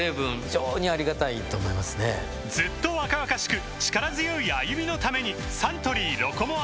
ずっと若々しく力強い歩みのためにサントリー「ロコモア」